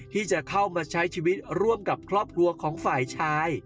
ที่จะเข้ามาใช้ชีวิตร่วมกับครอบครัวของฝ่ายชาย